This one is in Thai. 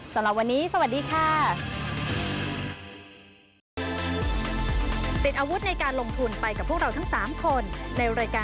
สำหรับวันนี้สวัสดีค่ะ